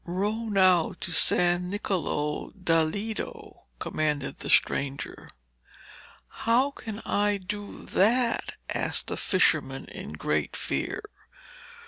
'Row now to San Niccolo da Lido,' commanded the stranger. 'How can I do that?' asked the fisherman in great fear.